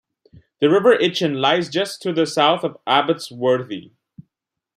The River Itchen lies just to the south of Abbots Worthy.